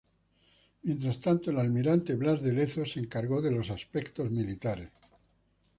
Mientras tanto, el almirante Blas de Lezo se encargó de los aspectos militares.